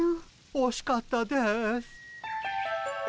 おしかったです。